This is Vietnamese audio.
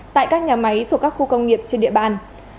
tại các nhà máy thuộc các khu công nghiệp trên địa bàn